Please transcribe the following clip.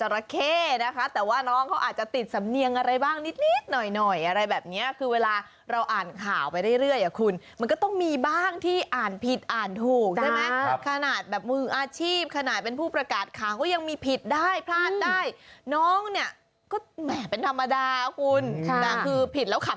แล้วก็ไม่อยากจะเล่าอีกแล้วว่ามันคืออะไร